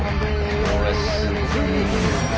これすごいよね。